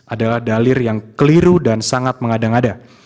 adalah dalil yang keliru dan sangat mengada ngada